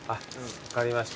分かりました。